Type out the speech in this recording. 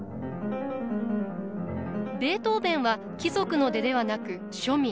ベートーヴェンは貴族の出ではなく庶民。